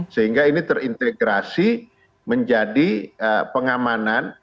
sehingga ini terintegrasi menjadi pengamanan